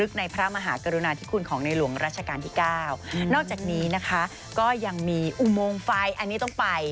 การที่เก้านอกจากนี้นะคะก็ยังมีอุโมงไฟอันนี้ต้องไป